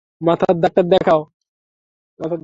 মাথার ডাক্তার দেখাও।